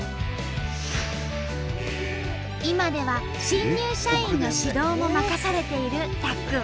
今では新入社員の指導も任されているたっくん。